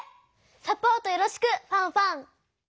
サポートよろしくファンファン！